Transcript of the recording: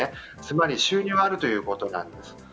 つまり収入はあるということなんです。